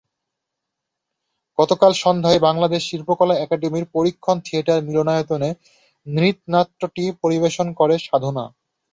গতকাল সন্ধ্যায় বাংলাদেশ শিল্পকলা একাডেমীর পরীক্ষণ থিয়েটার মিলনায়তনে নৃত্যনাট্যটি পরিবেশন করে সাধনা।